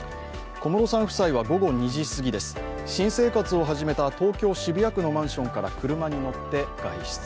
小室さん夫妻は午後２時すぎ、新生活を始めた東京・渋谷区のマンションから車に乗って外出。